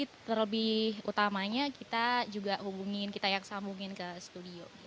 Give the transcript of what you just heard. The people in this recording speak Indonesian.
terlebih utamanya kita juga hubungin kita yang sambungin ke studio